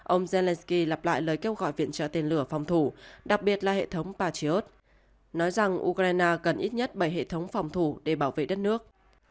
ông zelenskyy lặp lại lời kêu gọi viện trợ tên lửa phòng thủ đặc biệt là hệ thống patriot nói rằng ukraine cần ít nhất bảy hệ thống phòng thủ để bảo vệ đất nước